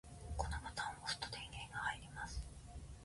このボタンを押すと電源が入ります。